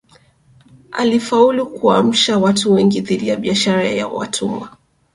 Alifaulu kuamsha watu wengi dhidi ya biashara ya watumwa